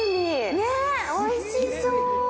ね、おいしそう。